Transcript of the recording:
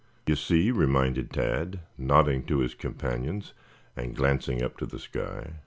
"You see," reminded Tad, nodding to his companions and glancing up to the sky.